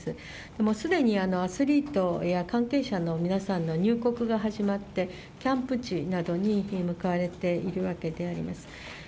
もうすでにアスリートや関係者の皆さんの入国が始まって、キャンプ地などに向かわれているわけであります。